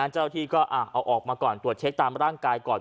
เจ้าที่ก็เอาออกมาก่อนตรวจเช็คตามร่างกายก่อน